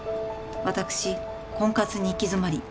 「私婚活に行き詰まり」